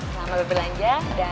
selamat belanja dan terima kasih